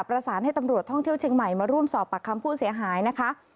ประสานให้ตำรวจท่องเที่ยวเชียงใหม่มาร่วมสอบปากคำผู้เสียหายนะคะ